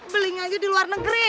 belinya aja di luar negeri